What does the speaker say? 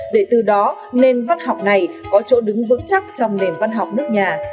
để từ đó nền văn học này có chỗ đứng vững chắc trong nền văn học nước nhà